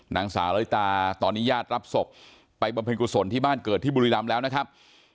นางสาวละลิตาตอนนี้ญาติรับศพไปบำเพ็ญกุศลที่บ้านเกิดที่บุรีรำแล้วนะครับ